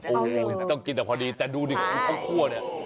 โอเคต้องกินแต่พอดีแต่ดูดิข้าวคั่วนี่